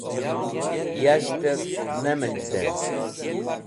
Yashtev Nemenjde